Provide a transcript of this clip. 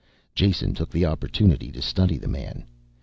Jason took the opportunity to study the man.